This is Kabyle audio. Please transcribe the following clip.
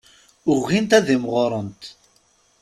Ugint ad imɣurent.